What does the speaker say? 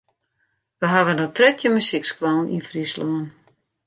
We hawwe no trettjin muzykskoallen yn Fryslân.